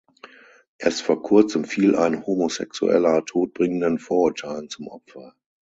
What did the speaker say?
Erst vor kurzem fiel ein Homosexueller todbringenden Vorurteilen zum Opfer.